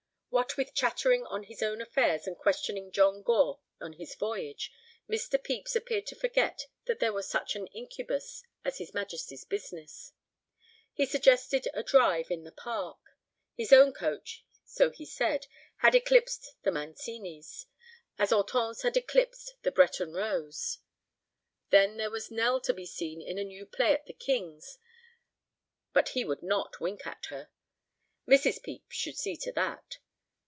What with chattering on his own affairs and questioning John Gore on his voyage, Mr. Pepys appeared to forget that there was such an incubus as his Majesty's business. He suggested a drive in the park. His own coach, so he said, had eclipsed the Mancini's, as Hortense had eclipsed the Breton Rose. Then there was Nell to be seen in a new play at The King's, but he would not wink at her. Mrs. Pepys should see to that.